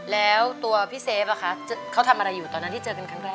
แล้วตัวพี่เซฟเขาทำอะไรอยู่ตอนนั้นที่เจอกันครั้งแรก